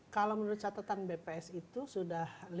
kalau menurut catatan bps itu sudah lima empat ratus dua puluh delapan